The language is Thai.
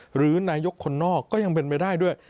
หรือนายกคนนอกก็ยังเป็นไปได้ด้วย